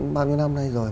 bao nhiêu năm nay rồi